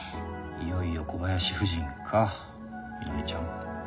いよいよ小林夫人かみのりちゃん。